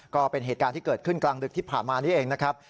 ก็เป็นเหตุการณ์ที่เกิดขึ้นกลางดึกที่ผ่านมานี้เองนะครับ